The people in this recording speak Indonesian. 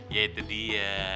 ya itu dia